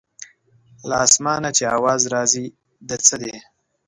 له اسمانه چې اواز راځي د څه دی.